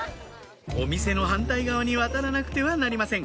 お店の反対側に渡らなくてはなりません